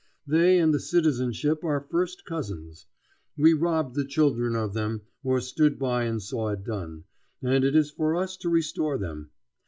They and the citizenship are first cousins. We robbed the children of them, or stood by and saw it done, and it is for us to restore them.